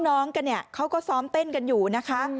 น้องกันเนี่ยเขาก็ซ้อมเต้นกันอยู่นะคะ